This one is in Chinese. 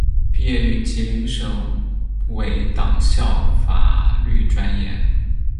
毕业于吉林省委党校法律专业。